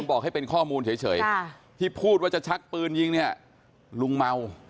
บอกให้เป็นข้อมูลเฉยที่พูดว่าจะชักปืนยิงเนี่ยลุงเมา